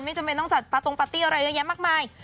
จำเป็นต้องจัดปาตรงปาร์ตี้อะไรเยอะแยะมากมาย